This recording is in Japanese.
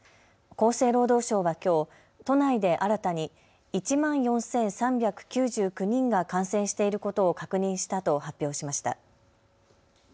厚生労働省はきょう都内で新たに１万４３９９人が感染していることを確認したと発表しました。